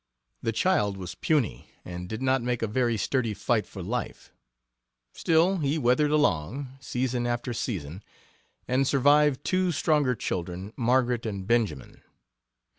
The child was puny, and did not make a very sturdy fight for life. Still he weathered along, season after season, and survived two stronger children, Margaret and Benjamin.